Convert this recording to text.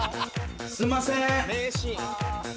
すんません。